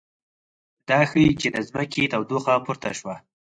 دا ښيي چې د ځمکې تودوخه پورته شوه